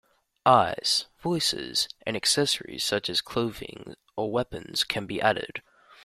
Eyes, voices, and accessories such as clothing or weapons can be added.